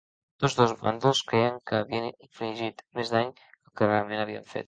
Tots dos bàndols creien que havien infligit més dany que el que realment havien fet.